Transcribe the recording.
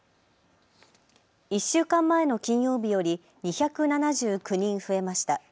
１週間前の金曜日より２７９人増えました。